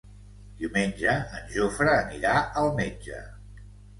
Diumenge en Jofre anirà al metge.